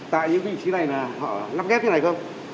tại những vị trí này là họ lắp ghét cái này không